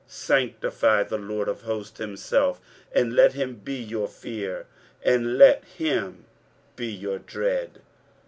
23:008:013 Sanctify the LORD of hosts himself; and let him be your fear, and let him be your dread.